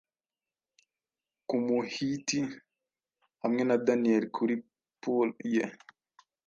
kumuhyiti hamwe na Daniel kuri pule ye